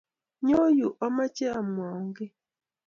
Nyoo yu omoche amwaun kiy